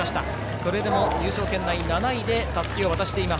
それでも入賞圏内７位でたすきを渡しています。